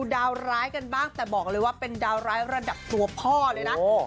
ดาวร้ายกันบ้างแต่บอกเลยว่าเป็นดาวร้ายระดับตัวพ่อเลยนะ